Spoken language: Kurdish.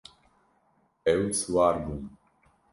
Ew siwar bûn.